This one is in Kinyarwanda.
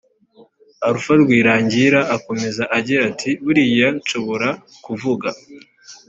Alpha Rwirangira akomeza agira ati “ Buriya nshobora kuvuga